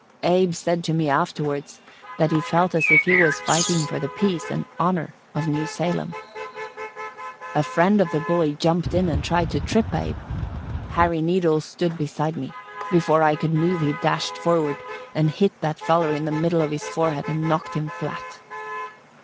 Abe said to me afterwards that he felt as if he was fighting for the peace and honor of New Salem. "A friend of the bully jumped in and tried to trip Abe. Harry Needles stood beside me. Before I could move he dashed forward and hit that feller in the middle of his forehead and knocked him flat.